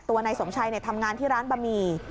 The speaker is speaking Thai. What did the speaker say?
นายสมชัยทำงานที่ร้านบะหมี่